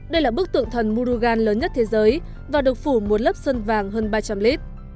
đây là bức tượng thần murugan lớn nhất thế giới và được phủ một lớp sơn vàng hơn ba trăm linh lít